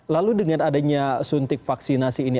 lalu dengan adanya suntik vaksinasi ini